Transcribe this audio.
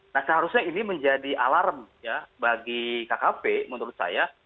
nah seharusnya ini menjadi alarm ya bagi kkp menurut saya